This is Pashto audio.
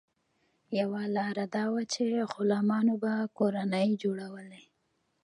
یوه لار دا وه چې غلامانو به کورنۍ جوړولې.